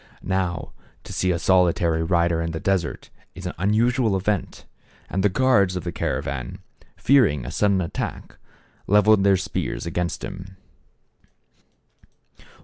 How, to see a solitary rider in the desert is an unusual event, and the guards of the caravan, fearing a sudden attack, leveled their spears against him.